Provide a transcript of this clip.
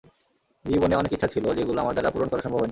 জীবনে অনেক ইচ্ছা ছিল, যেগুলো আমার দ্বারা পূরণ করা সম্ভব হয়নি।